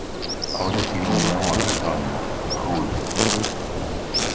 Ahora tiene un nuevo retoño, Rulo.